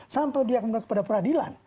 sampai dia kemudian kepada peradilan